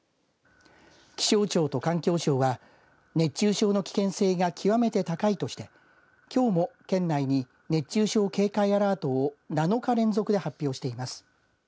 気象庁と環境省は熱中症の危険性が極めて高いとしてきょうも県内に熱中症警戒アラートを７日連続で発表しています。